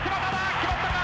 決まったか。